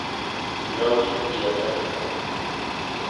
Louis y otras ciudades.